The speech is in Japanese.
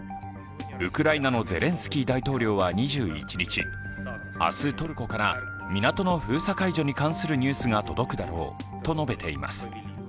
ウクライナのゼレンスキー大統領は２１日、明日トルコから港の封鎖解除に関するニュースが届くだろうと述べています。